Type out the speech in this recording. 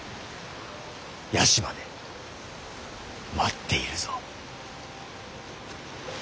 屋島で待っているぞ。